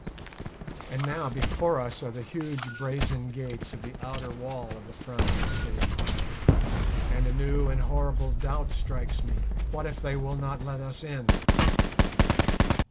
And now before us are the huge brazen gates of the outer wall of the Frowning City, and a new and horrible doubt strikes me: What if they will not let us in?